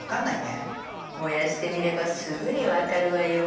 燃やしてみればすぐに分かるわよ。